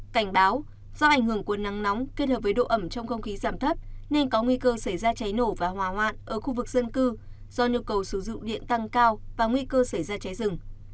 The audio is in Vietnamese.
cảnh báo do ảnh hưởng của nắng nóng kết hợp với độ ẩm trong không khí giảm thấp nên có nguy cơ xảy ra cháy nổ và hỏa hoạn ở khu vực dân cư do nhu cầu sử dụng điện tăng cao và nguy cơ xảy ra cháy rừng